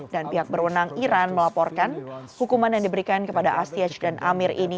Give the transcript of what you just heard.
dan pihak berwenang iran melaporkan hukuman yang diberikan kepada astyaj dan amir ini